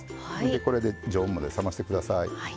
でこれで常温まで冷まして下さい。